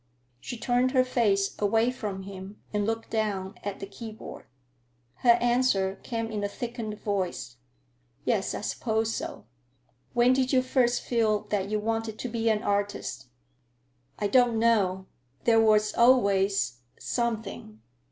She turned her face away from him and looked down at the keyboard. Her answer came in a thickened voice. "Yes, I suppose so." "When did you first feel that you wanted to be an artist?" "I don't know. There was always—something."